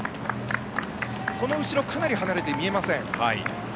その後ろはかなり離れて見えません。